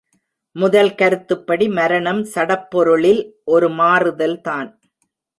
முதல் கருத்துப்படி மரணம் சடப்பொருளில் ஒரு மாறுதல் தான்.